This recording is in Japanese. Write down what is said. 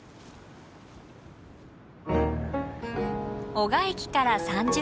男鹿駅から３０分